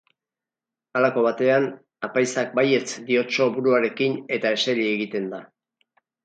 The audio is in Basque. Halako batean, apaizak baietz diotso buruarekin eta eseri egiten da.